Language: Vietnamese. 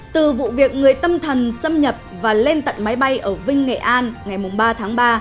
từ vụ việc người tâm thần xâm nhập và lên tận máy bay ở vinh nghệ an ngày ba tháng ba